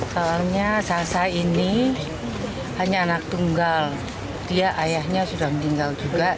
soalnya sasa ini hanya anak tunggal dia ayahnya sudah meninggal juga